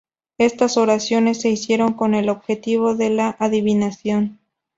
Estas oraciones se hicieron con el objetivo de la adivinación.